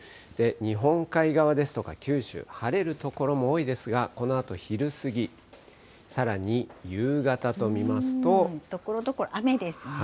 日本海側ですとか九州、晴れる所も多いですが、このあと昼過ぎ、ところどころ雨ですね。